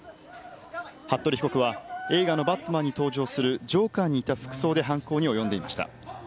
服部被告は、映画のバットマンに登場するジョーカーに似た服装で犯行に及んでいました。